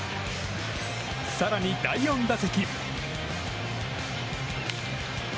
更に第４打席。